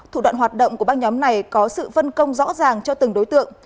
thủ đoạn hoạt động của băng nhóm này có sự phân công rõ ràng cho từng đối tượng